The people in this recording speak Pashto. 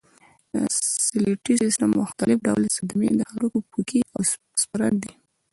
د سکلیټي سیستم مختلف ډول صدمې د هډوکو پوکی او سپرن دی.